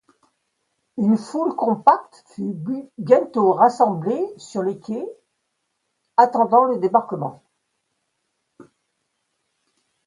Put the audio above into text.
Une foule compacte fut bientôt rassemblée sur les quais, attendant le débarquement.